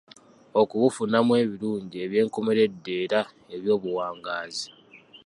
Okubufunamu ebirungi eby'enkomeredde era eby'obuwangaazi.